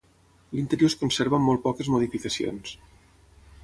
L’interior es conserva amb molt poques modificacions.